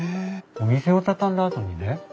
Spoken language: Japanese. お店を畳んだあとにね